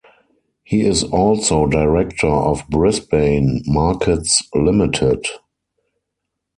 He is also Director of Brisbane Markets Limited.